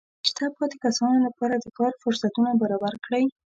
د شاته پاتې کسانو لپاره د کار فرصتونه برابر کړئ.